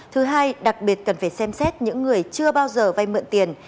thứ hai đặc biệt cần phải xem xét những người chưa bao giờ vay mượn tiền